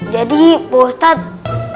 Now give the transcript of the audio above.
jadi pak ustadz